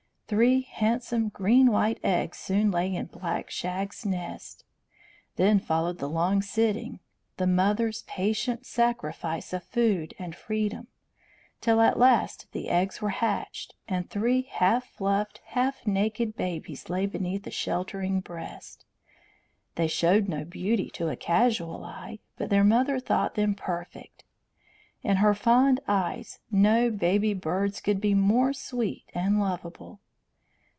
Three handsome green white eggs soon lay in Black Shag's nest. Then followed the long sitting, the mother's patient sacrifice of food and freedom; till at last the eggs were hatched, and three half fluffed, half naked babies lay beneath the sheltering breast. They showed no beauty to a casual eye, but their mother thought them perfect. In her fond eyes no baby birds could be more sweet and lovable.